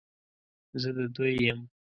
زه د دوی یم،